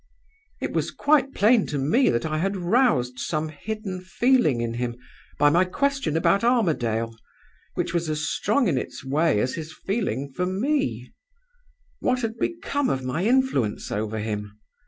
It was quite plain to me that I had roused some hidden feeling in him by my question about Armadale, which was as strong in its way as his feeling for me. What had become of my influence over him?